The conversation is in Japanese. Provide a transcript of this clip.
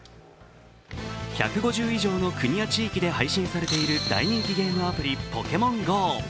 １５０以上の国や地域で配信されている大人気ゲームアプリ「ＰｏｋｅｍｏｎＧＯ」。